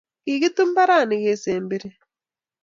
Kikitup mbaranni kesemberi